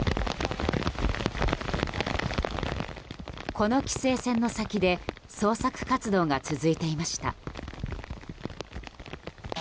この規制線の先で捜索活動が続いていました。